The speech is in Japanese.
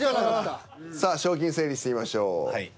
さあ賞金整理してみましょう。